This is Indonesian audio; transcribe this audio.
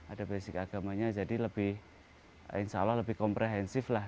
ada basic agamanya jadi lebih insya allah lebih komprehensif lah